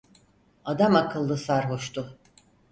Adamakıllı sarhoştu.